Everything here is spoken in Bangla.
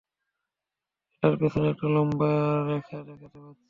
এটার পেছনে একটা লম্বা রেখা দেখতে পাচ্ছেন।